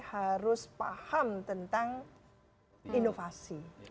harus paham tentang inovasi